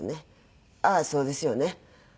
ああそうですよね。